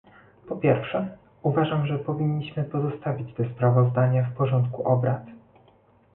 Po pierwsze, uważam, że powinniśmy pozostawić te sprawozdania w porządku obrad